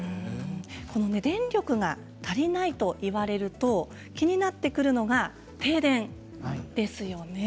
電力が足りないと言われると気になるのが停電ですよね。